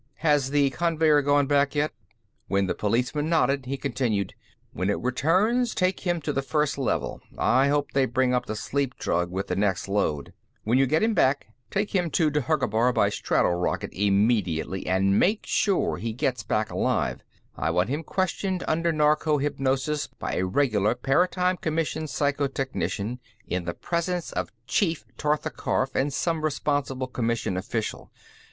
"Has the conveyer gone back, yet?" When the policeman nodded, he continued: "When it returns, take him to the First Level. I hope they bring up the sleep drug with the next load. When you get him back, take him to Dhergabar by strato rocket immediately, and make sure he gets back alive. I want him questioned under narco hypnosis by a regular Paratime Commission psycho technician, in the presence of Chief Tortha Karf and some responsible Commission official.